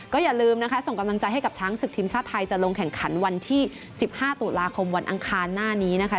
อย่าลืมนะคะส่งกำลังใจให้กับช้างศึกทีมชาติไทยจะลงแข่งขันวันที่๑๕ตุลาคมวันอังคารหน้านี้นะคะ